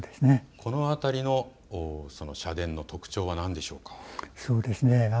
この辺りの社殿の特徴は何でしょうか。